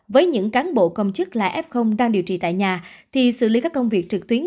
với những cán bộ công chức là f đang điều trị tại nhà thì xử lý các công việc trực tuyến